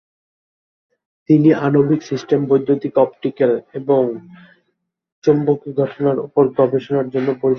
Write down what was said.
তিনি আণবিক সিস্টেমে বৈদ্যুতিন অপটিক্যাল এবং চৌম্বকীয় ঘটনার উপর গবেষণার জন্য পরিচিত।